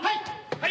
・はい。